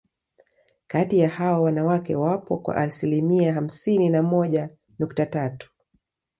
Kati ya hawa wanawake wapo kwa asilimia hamsini na moja nukta tatu